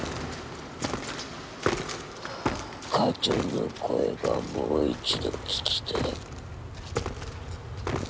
母ちゃんの声がもう一度聞きたい。